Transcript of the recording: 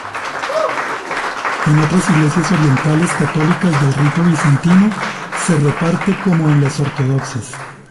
En otras iglesias orientales católicas del rito bizantino se reparte como en las ortodoxas.